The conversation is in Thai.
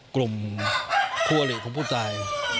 กลุ่มผู้หลีกของผู้ตาย